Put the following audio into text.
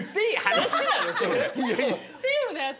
セーフのやつ？